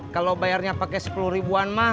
kalau bayarnya pakai sepuluh ribuan mah